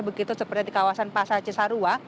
begitu seperti di kawasan pasar cisarua